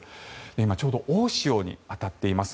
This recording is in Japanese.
今ちょうど大潮に当たっています。